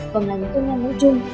còn là những cơ năng nội trưng